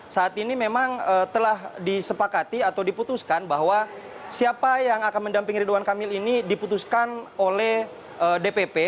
saat ini memang telah disepakati atau diputuskan bahwa siapa yang akan mendamping ridwan kamil ini diputuskan oleh dpp